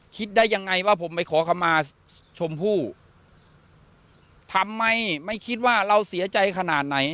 คิดได้ยังไงว่าผมไปขอคำมาชมพู่ทำไมไม่คิดว่าเราเสียใจขนาดไหน